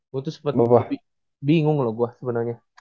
gue tuh sempat bingung loh gue sebenarnya